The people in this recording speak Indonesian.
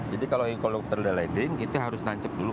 jadi kalau helikopter udah landing itu harus nancep dulu